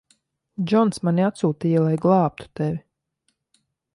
Džons mani atsūtīja, lai glābtu tevi.